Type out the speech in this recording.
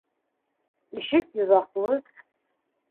Ишек йоҙаҡлы.